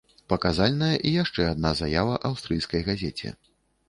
Паказальная і яшчэ адна заява аўстрыйскай газеце.